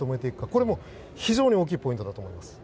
これも非常に大きいポイントだと思います。